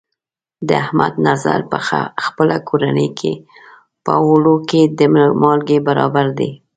د احمد نظر په خپله کورنۍ کې، په اوړو کې د مالګې برابر دی.